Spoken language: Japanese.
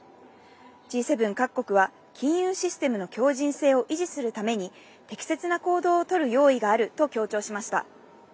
Ｇ７各国は、金融システムの強じん性を維持するために、適切な行動を取る用意があると強調しました。